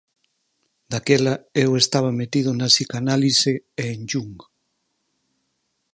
Daquela eu andaba metido na psicanálise e en Jung.